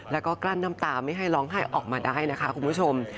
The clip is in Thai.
แล้วก็กลั้นน้ำตาไม่ให้ร้องไห้ออกมาได้นะคะคุณผู้ชม